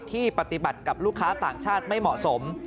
ที่ปฏิบัติกับลูกค้าต่างชาติไม่เหมาะสม